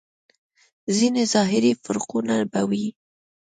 ځينې ظاهري فرقونه به وي.